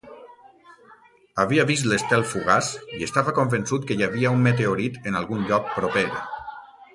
Havia vist l'estel fugaç i estava convençut que hi havia un meteorit en algun lloc proper.